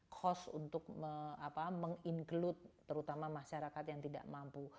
cost untuk meng include terutama masyarakat yang tidak mampu